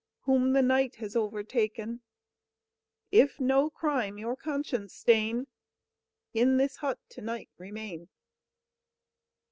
Whom the night has overtaken; If no crime your conscience stain, In this hut to night remain."